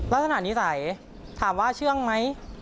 ลักษณะนิสัยถามว่าเชื่องไหม